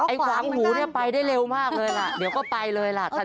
ไอ้ฟ้างหูเนี่ยไปได้เร็วมากเลยล่ะเดี๋ยวก็ไปเลยล่ะทันทีเลย